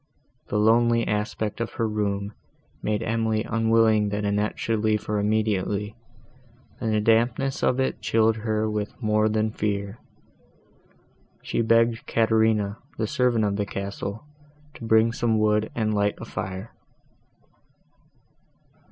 The lonely aspect of her room made Emily unwilling that Annette should leave her immediately, and the dampness of it chilled her with more than fear. She begged Caterina, the servant of the castle, to bring some wood and light a fire.